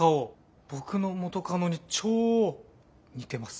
僕の元カノに超似てます。